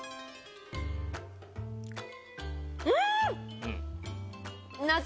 うん！